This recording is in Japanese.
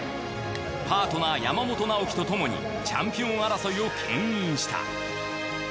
パートナー山本尚貴とともにチャンピオン争いをけん引した。